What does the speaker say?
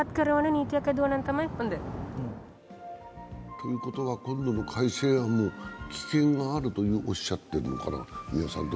ということは今度の改正案も危険があるとおっしゃってるのかな。